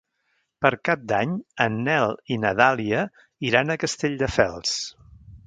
Per Cap d'Any en Nel i na Dàlia iran a Castelldefels.